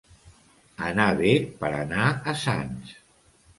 Anar bé per anar a Sants.